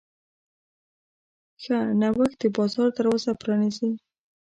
ښه نوښت د بازار دروازه پرانیزي.